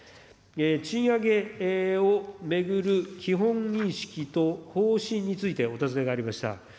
賃上げを巡る基本認識と方針についてお尋ねがありました。